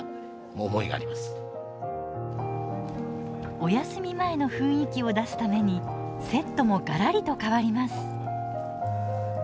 おやすみ前の雰囲気を出すためにセットもがらりと変わります。